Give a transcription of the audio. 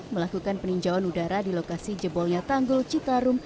melakukan peninjauan udara di lokasi jebolnya tanggul citarum